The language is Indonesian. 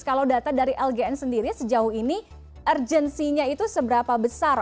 kalau data dari lgn sendiri sejauh ini urgensinya itu seberapa besar